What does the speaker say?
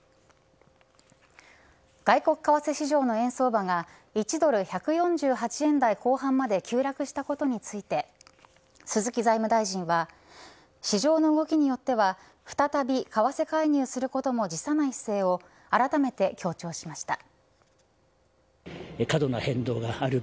外国為替市場の円相場が１ドル１４８円台後半まで急落したことについて鈴木財務大臣は市場の動きによっては再び為替介入することも辞さない姿勢をあらためて強調しました。